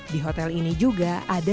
di hotel ini juga ada ruangan untuk menginap